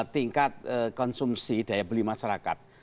tingkat konsumsi daya beli masyarakat